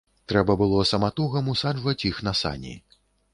Трэба было саматугам усаджваць іх на сані.